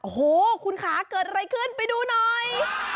โอ้โหคุณค่ะเกิดอะไรขึ้นไปดูหน่อย